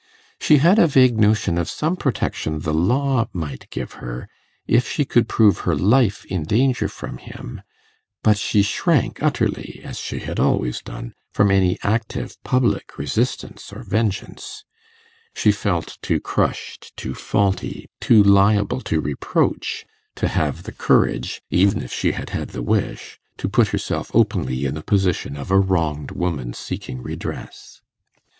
She had a vague notion of some protection the law might give her, if she could prove her life in danger from him; but she shrank utterly, as she had always done, from any active, public resistance or vengeance: she felt too crushed, too faulty, too liable to reproach, to have the courage, even if she had had the wish to put herself openly in the position of a wronged woman seeking redress.